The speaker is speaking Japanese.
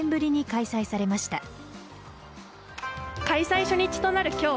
開催初日となる今日